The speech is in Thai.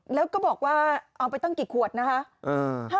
แล้วก็บอกว่าเอาไปตั้งกี่ขวดนะคะ